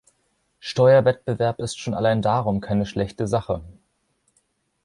Steuerwettbewerb ist schon allein darum keine schlechte Sache.